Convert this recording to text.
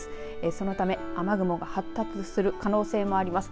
そのため雨雲が発達する可能性もあります。